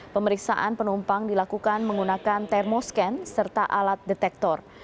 pemeriksaan penumpang dilakukan menggunakan termoscan serta alat detektor